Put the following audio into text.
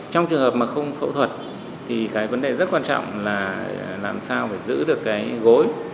trong trường hợp mà không phẫu thuật thì cái vấn đề rất quan trọng là làm sao phải giữ được cái gối